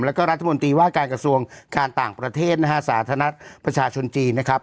แล้วก็รัฐมนตรีว่าการกระทรวงการต่างประเทศนะฮะสาธารณะประชาชนจีนนะครับ